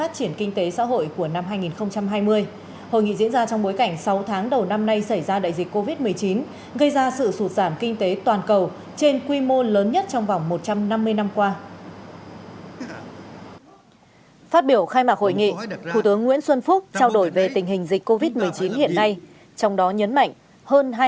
các bạn hãy đăng ký kênh để ủng hộ kênh của chúng mình nhé